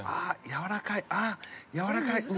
やわらかい。